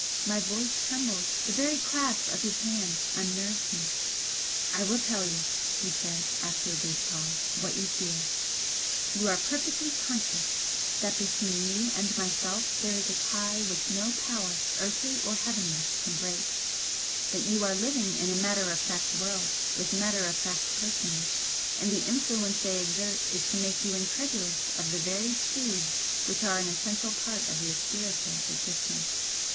My voice trembled the very clasp of his hand unnerved me. "I will tell you," he said, after a brief pause, "what you feel. You are perfectly conscious that between you and myself there is a tie which no power, earthly or heavenly, can break, but you are living in a matter of fact world with matter of fact persons, and the influence they exert is to make you incredulous of the very truths which are an essential part of your spiritual existence.